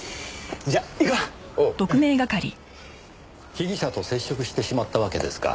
被疑者と接触してしまったわけですか。